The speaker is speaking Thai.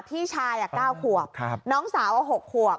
พี่ชาย๙ขวบน้องสาว๖ขวบ